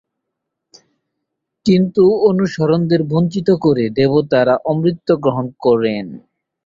কিন্তু অসুরদের বঞ্চিত করে দেবতারা অমৃত গ্রহণ করেন।